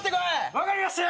分かりました！